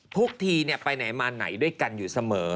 ทุกทีไปไหนมาไหนด้วยกันอยู่เสมอ